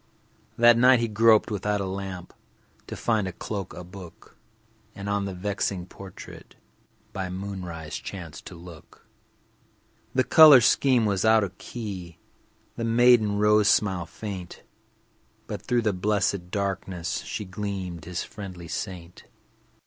That night he groped without a lamp To find a cloak, a book, And on the vexing portrait By moonrise chanced to look. The color scheme was out of key, The maiden rose smile faint, But through the blessed darkness She gleamed, his friendly saint.